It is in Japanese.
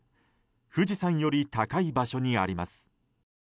富士山より高い場所にあります。